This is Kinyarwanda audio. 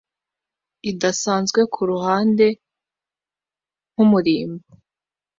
idasanzwe kuruhande nkumurimbo